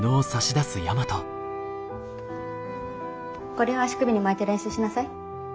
これを足首に巻いて練習しなさい。